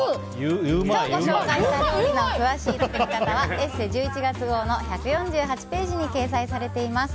今日ご紹介した料理の詳しい作り方は「ＥＳＳＥ」１１月号の１４８ページに掲載されています。